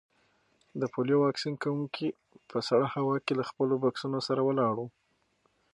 د پولیو واکسین کونکي په سړه هوا کې له خپلو بکسونو سره ولاړ وو.